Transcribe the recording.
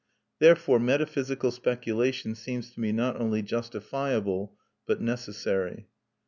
Therefore, metaphysical speculation seems to me not only justifiable, but necessary.